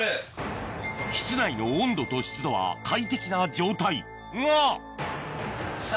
室内の温度と湿度は快適な状態が！